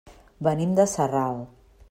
Venim de Sarral.